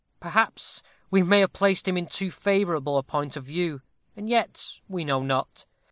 Perhaps, we may have placed him in too favorable a point of view and yet we know not.